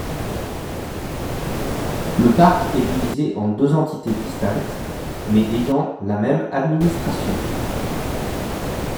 Le parc est divisé en deux entités distinctes, mais ayant la même administration.